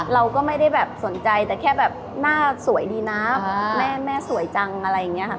เราก็ไม่ได้แบบสนใจแต่แค่แบบหน้าสวยดีนะแม่สวยจังอะไรอย่างนี้ค่ะ